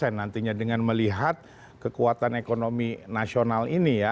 bagaimana nantinya dengan melihat kekuatan ekonomi nasional ini ya